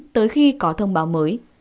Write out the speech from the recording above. tới khi có thông báo mới